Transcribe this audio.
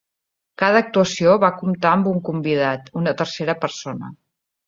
Cada actuació va comptar amb un convidat: una tercera persona.